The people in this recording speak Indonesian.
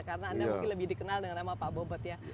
karena anda mungkin lebih dikenal dengan nama pak bobot ya